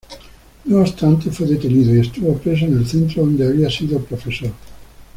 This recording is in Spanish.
No obstante, fue detenido y estuvo preso en el centro donde había sido profesor.